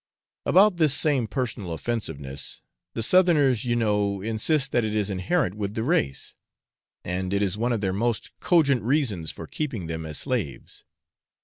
About this same personal offensiveness, the Southerners you know insist that it is inherent with the race, and it is one of their most cogent reasons for keeping them as slaves.